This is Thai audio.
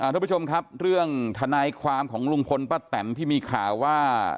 ทุกผู้ชมครับเรื่องทนายความของลุงพลป้าแตนที่มีข่าวว่า